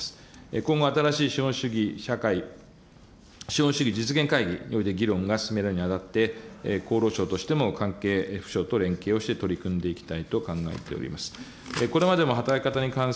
今後、新しい資本主義社会資本主義実現会議で議論が進められるにあたって、厚労省としても関係府省と連携をして取り組んでいきたいと考えております。